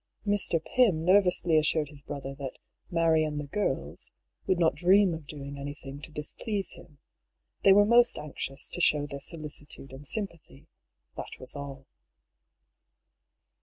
Mr. Pym nervously assured his brother that " Mary and the girls" would not dream of doing anything to displease him* They were most anxious to show their solicitude and sympathy, that was all.